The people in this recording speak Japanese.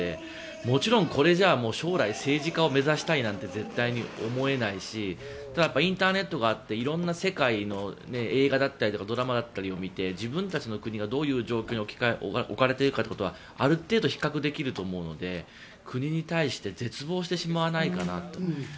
もちろんこれじゃ将来政治家を目指したいなんて絶対に思えないしインターネットがあって色んな世界の映画だったりドラマだったりを見て自分たちの国がどういう状況に置かれているかっていうのはある程度、比較できると思うので国に対して絶望してしまわないかなと。